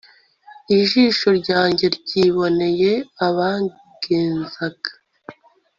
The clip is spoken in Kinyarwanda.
ijisho ryanjye ryiboneye abangenzaga